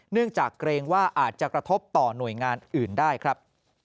จากเกรงว่าอาจจะกระทบต่อหน่วยงานอื่นได้ครับ